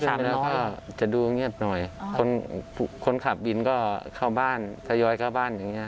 หลังเที่ยงคืนไปแล้วก็จะดูเงียบหน่อยคนขับบินก็เข้าบ้านจะย้อยเข้าบ้านอย่างเงี้ย